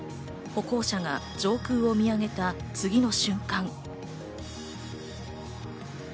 歩行者が上空を見上げた次の瞬間。